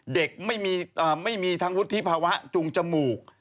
เด็กไม่มีทั้งวุฒิภาวะจุงจมูก